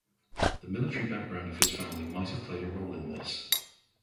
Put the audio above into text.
The military background of his family might have played a role in this.